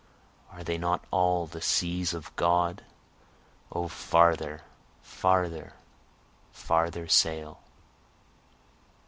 are they not all the seas of God? O farther, farther, farther sail!